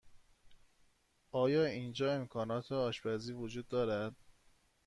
آیا اینجا امکانات آشپزی وجود دارد؟